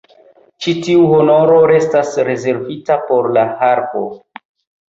Ĉi tiu honoro restas rezervita por la harpo.